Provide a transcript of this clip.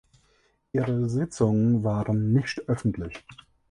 Ihre Sitzungen waren nichtöffentlich.